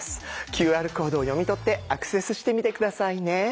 ＱＲコードを読み取ってアクセスしてみて下さいね。